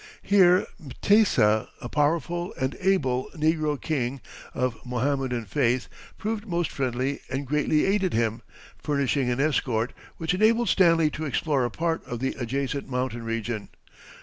Here Mtesa, a powerful and able negro king, of Mohammedan faith, proved most friendly and greatly aided him, furnishing an escort, which enabled Stanley to explore a part of the adjacent mountain region.